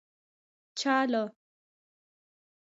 چا له.